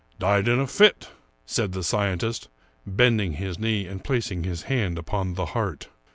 Died in a fit," said the scientist, bending his knee and placing his hand upon the heart.